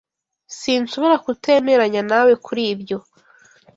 Sinshobora kutemeranya nawe kuri ibyo.